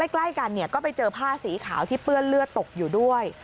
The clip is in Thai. ใกล้กันก็ไปเจอผ้าสีขาวที่เปื้อนเลือดตกอยู่ด้วย